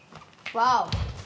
ワオ！